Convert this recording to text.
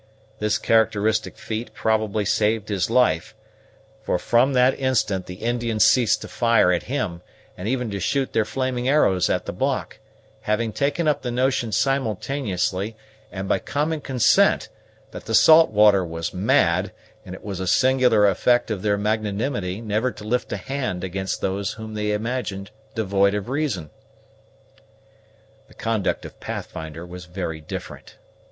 This characteristic feat probably saved his life; for from that instant the Indians ceased to fire at him, and even to shoot their flaming arrows at the block, having taken up the notion simultaneously, and by common consent, that the "Saltwater" was mad; and it was a singular effect of their magnanimity never to lift a hand against those whom they imagined devoid of reason. The conduct of Pathfinder was very different.